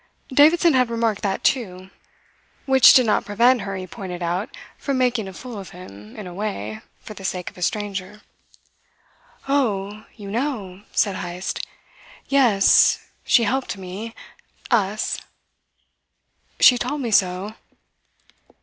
Davidson had remarked that, too. Which did not prevent her, he pointed out, from making a fool of him, in a way, for the sake of a stranger. "Oh! You know!" said Heyst. "Yes, she helped me us." "She told me so.